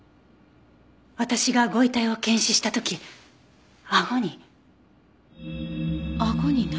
私がご遺体を検視した時あごに。